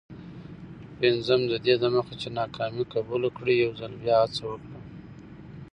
پنځم: ددې دمخه چي ناکامي قبوله کړې، یوځل بیا هڅه وکړه.